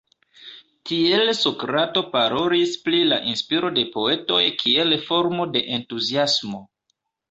Tiele Sokrato parolis pri la inspiro de poetoj kiel formo de Entuziasmo.